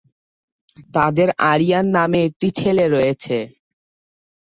তাঁদের আরিয়ান নামে একটি ছেলে রয়েছে।